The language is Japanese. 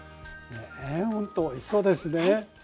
ねえほんとおいしそうですね。